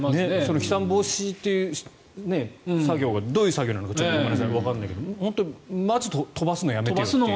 飛散防止という作業がどういう作業なのかちょっとわからないけどまず飛ばすのやめてよという。